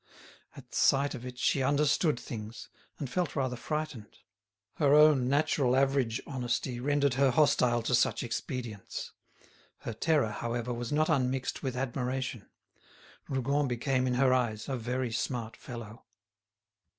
At sight of it she understood things, and felt rather frightened; her own natural average honesty rendered her hostile to such expedients. Her terror, however, was not unmixed with admiration; Rougon became in her eyes a very smart fellow.